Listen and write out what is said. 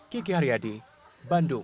kiki haryadi bandung